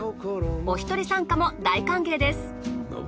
おひとり参加も大歓迎です。